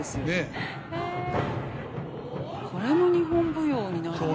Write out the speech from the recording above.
これも日本舞踊になるんだ。